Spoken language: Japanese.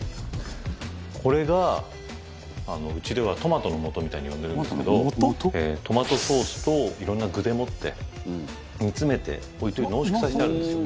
これがうちではトマトの素みたいに呼んでるんですけどトマトソースといろんな具でもって煮詰めて濃縮されてあるんですよ。